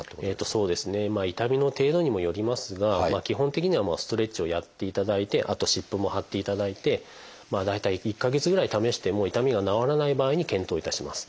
そうですねまあ痛みの程度にもよりますが基本的にはストレッチをやっていただいてあと湿布も貼っていただいてまあ大体１か月ぐらい試しても痛みが治らない場合に検討いたします。